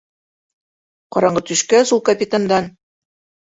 Ҡараңғы төшкәс, ул капитандан: